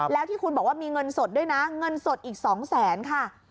แล้วที่คุณบอกว่ามีเงินสดด้วยนะเงินสดอีก๒แสนค่ะ